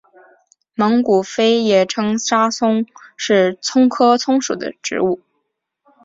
蒙古韭也称沙葱是葱科葱属的植物。